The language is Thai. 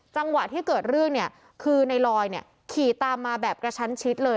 จังหวะที่เกิดเรื่องเนี่ยคือในลอยเนี่ยขี่ตามมาแบบกระชั้นชิดเลย